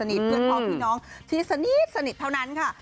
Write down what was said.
ิตเพื่อนพ่อพี่น้องที่สนิทเท่านั้นค่ะ